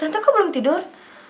tante kok belum tidur